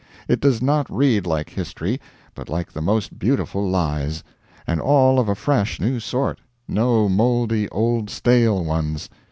It does not read like history, but like the most beautiful lies. And all of a fresh new sort, no mouldy old stale ones.